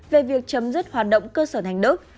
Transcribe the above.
về việc chấm dứt hoạt động cơ sở thành đất